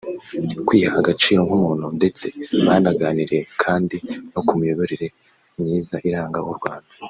kwiha agaciro nk’umuntu ndetse banaganiriye kandi no ku miyoborere myiza iranga u Rwanda